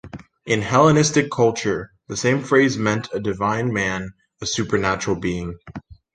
In Hellenistic culture the same phrase meant a "divine man", a supernatural being.